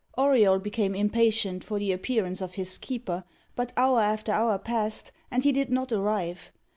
Auriol became impatient for the appearance of his keeper, but hour after hour passed and he did not arrive.